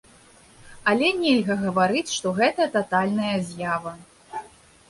Але нельга гаварыць, што гэта татальная з'ява.